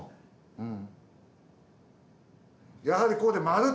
うん。